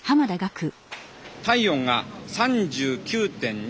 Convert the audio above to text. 体温が３９．２度。